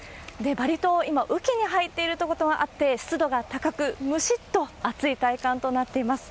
バリ島、今、雨季に入っているということもあって、湿度が高く、むしっと暑い体感となっています。